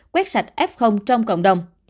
quét sạch f trong cộng đồng